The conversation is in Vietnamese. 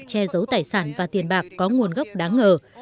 che giấu tài sản và tiền bạc có nguồn gốc đáng ngờ